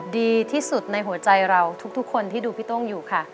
ดีที่สุดในหัวใจเราทุกคนที่ดูพี่โต้งอยู่ค่ะ